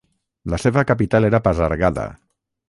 La seva capital era Pasargada.